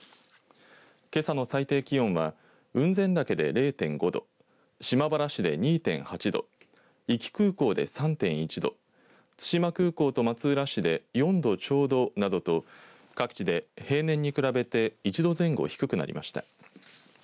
けさの最低気温は雲仙岳で０．５度島原市で２．８度壱岐空港で３．１度対馬空港と松浦市で４度ちょうどなどと各地で平年に比べて１度前後、低くなりました。